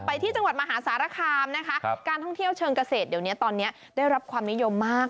ที่จังหวัดมหาสารคามนะคะการท่องเที่ยวเชิงเกษตรเดี๋ยวนี้ตอนนี้ได้รับความนิยมมาก